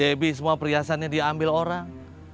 debi semua priasannya diambil orang